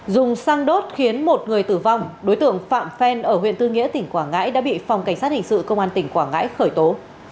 dùng xăng đốt khiến một người tử vong đối tượng phạm phen ở huyện tư nghĩa tỉnh quảng ngãi đã bị phòng cảnh sát hình sự công an tỉnh quảng ngãi khởi tố